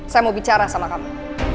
saya mau bicara sama kami